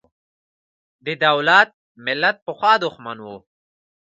د دولت–ملت پخوا دښمن و.